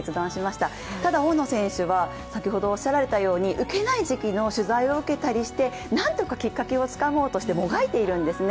ただ大野選手は、先ほどおっしゃられたように受けない時期の取材を受けたりして、何とかきっかけをつかもうとしてもがいているんですね。